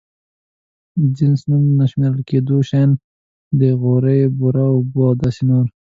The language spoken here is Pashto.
جنس نوم نه شمېرل کېدونکي شيان دي: غوړي، بوره، اوبه او داسې نور.